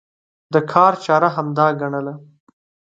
د کار چاره همدا ګڼله.